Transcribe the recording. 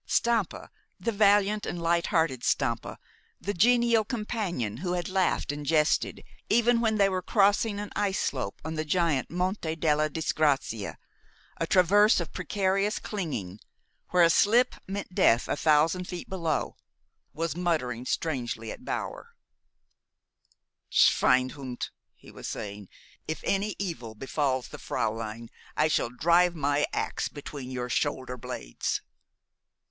Stampa, the valiant and light hearted Stampa, the genial companion who had laughed and jested even when they were crossing an ice slope on the giant Monte della Disgrazia, a traverse of precarious clinging, where a slip meant death a thousand feet below, was muttering strangely at Bower. "Schwein hund!" he was saying, "if any evil befalls the fräulein, I shall drive my ax between your shoulder blades."